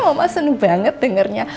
mama seneng banget dengernya